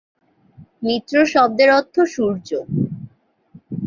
মিত্র শব্দের অর্থ সূর্য।